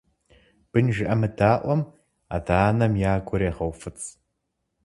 Бын жыӀэмыдаӀуэм адэ-анэм я гур егъэуфӀыцӀ.